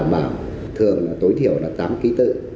và thường tối thiểu là tám ký tự